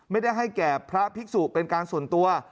ไม่ได้ให้แก่พระภิกษุเป็นการส่วนตัว